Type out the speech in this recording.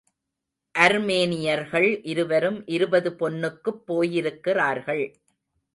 அர்மேனியர்கள் இருவரும் இருபது பொன்னுக்குப் போயிருக்கிறார்கள்.